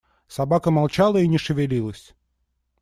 Собака молчала и не шевелилась.